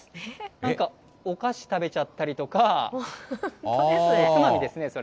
なんか、お菓子食べちゃったりとか、おつまみですね、それ。